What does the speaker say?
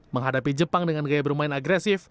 menghadapi jepang dengan gaya bermain agresif